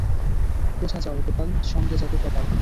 কোথা যাও গোপাল, সঙ্গে যাবে কপাল।